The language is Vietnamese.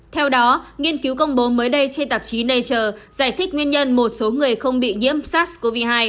theo đó nghiên cứu công bố mới đây trên tạp chí nature giải thích nguyên nhân một số người không bị nhiễm sars cov hai